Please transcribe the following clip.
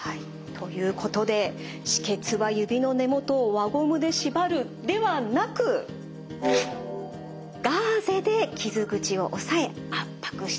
ということで「止血は指の根元を輪ゴムでしばる」ではなくガーゼで傷口をおさえ圧迫してください。